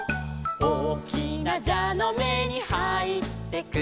「おおきなじゃのめにはいってく」